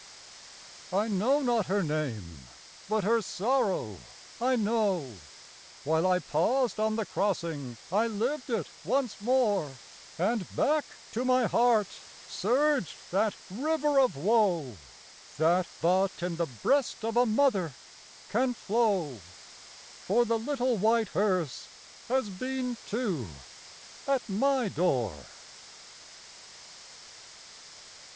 I know not her name, but her sorrow I know; While I paused on the crossing I lived it once more, And back to my heart surged that river of woe That but in the breast of a mother can flow; For the little white hearse has been, too, at my door.